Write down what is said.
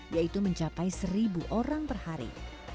yaitu mencapai seribu orang per hari